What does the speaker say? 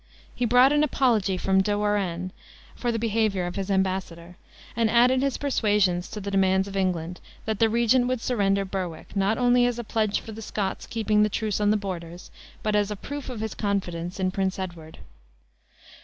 He brought an apology from De Warenne, for the behavior of his embassador; and added his persuasions to the demands of England, that the regent would surrender Berwick, not only as a pledge for the Scots keeping the truce on the borders, but as a proof of his confidence in Prince Edward.